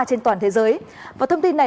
trên toàn thế giới và thông tin này